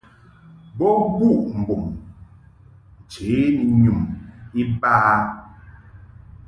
Bo buʼ bub nche ni nyum iba.